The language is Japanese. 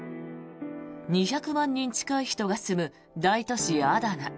２００万人近い人が住む大都市、アダナ。